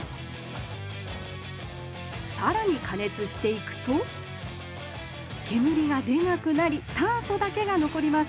さらにかねつしていくと煙がでなくなり炭素だけがのこります。